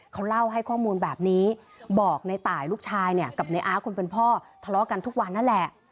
เขาเล่าให้ข้อมูลแบบนี้บอกในตายลูกชายเนี่ยกับในอาร์ตคนเป็นพ่อทะเลาะกันทุกวันนั่นแหละ